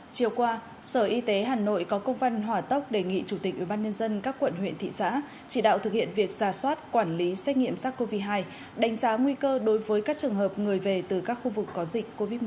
chiều qua sở y tế hà nội có công văn hỏa tốc đề nghị chủ tịch ubnd các quận huyện thị xã chỉ đạo thực hiện việc ra soát quản lý xét nghiệm sars cov hai đánh giá nguy cơ đối với các trường hợp người về từ các khu vực có dịch covid một mươi chín